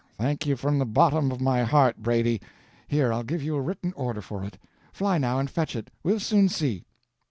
"Thank you from the bottom of my heart, Brady. Here, I'll give you a Written order for it. Fly, now, and fetch it. We'll soon see!"